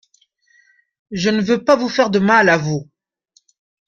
Je ne veux pas vous faire de mal, à vous.